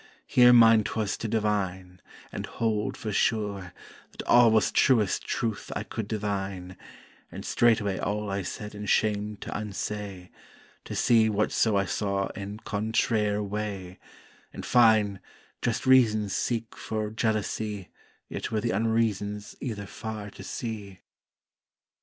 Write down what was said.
Here mine 'twas to divine, and hold for sure, That all was truest Truth I could divine; And straightway all I said in shame to unsay; To see whatso I saw in còntrayr way; In fine, just Reasons seek for jealousy Yet were the Unreasons eather far to see.